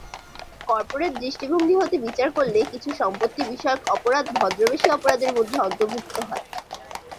Corporate দৃষ্টিভঙ্গি হতে বিচার করলে কিছু সম্পত্তি বিষয়ক অপরাধ ভদ্রবেশী অপরাধের মধ্যে অন্তর্ভুক্ত হয়।